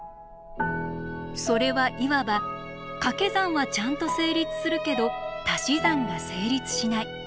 それはいわばかけ算はちゃんと成立するけどたし算が成立しない